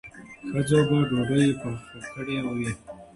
ښځو به ډوډۍ پخ کړې وي.